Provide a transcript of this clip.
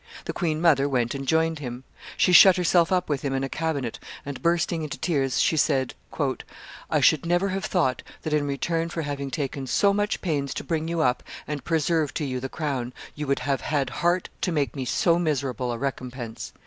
The queen mother went and joined him; she shut herself up with him in a cabinet, and, bursting into tears, she said, "I should never have thought that, in return for having taken so much pains to bring you up and preserve to you the crown, you would have had heart to make me so miserable a recompense.